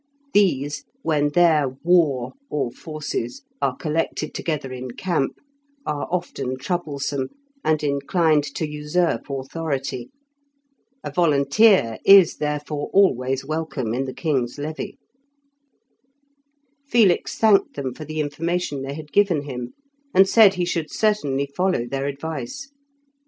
These, when their "war", or forces, are collected together in camp, are often troublesome, and inclined to usurp authority. A volunteer is, therefore, always welcome in the king's levy. Felix thanked them for the information they had given him, and said he should certainly follow their advice.